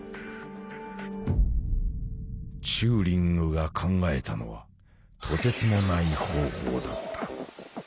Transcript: チューリングが考えたのはとてつもない方法だった。